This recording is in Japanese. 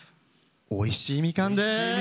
おいしいみかんです。